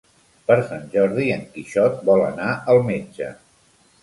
Per Sant Jordi en Quixot vol anar al metge.